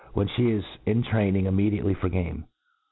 ' whenjhe is in training immediately for Game.